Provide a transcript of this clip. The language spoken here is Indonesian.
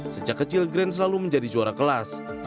sejak kecil grand selalu menjadi juara kelas